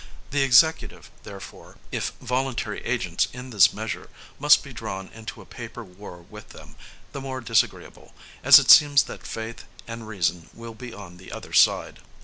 The Executive, therefore, if voluntary agents in this measure, must be drawn into a paper war with them, the more disagreeable, as it seems that faith and reason will be on the other side.